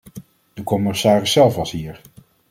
De commissaris zelf was hier.